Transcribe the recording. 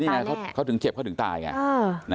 นี่ไงเขาถึงเจ็บเขาถึงตายไง